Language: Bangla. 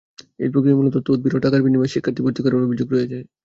এই প্রক্রিয়ায় মূলত তদবির ও টাকার বিনিময়ে শিক্ষার্থী ভর্তি করার অভিযোগ রয়েছে।